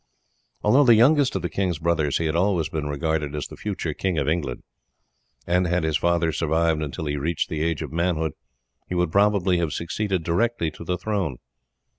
Although the youngest of the king's brothers, he had always been regarded as the future King of England, and had his father survived until he reached the age of manhood, he would probably have succeeded directly to the throne.